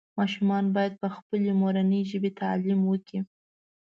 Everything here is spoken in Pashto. ماشومان باید پخپلې مورنۍ ژبې تعلیم وکړي